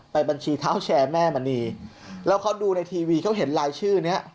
บัญชีเท้าแชร์แม่มณีแล้วเขาดูในทีวีเขาเห็นรายชื่อเนี้ย